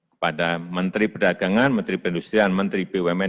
kepada menteri perdagangan menteri perindustrian menteri bumn